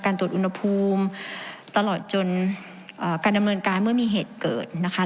ตรวจอุณหภูมิตลอดจนการดำเนินการเมื่อมีเหตุเกิดนะคะ